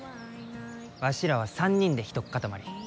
わしらは３人でひとっかたまり。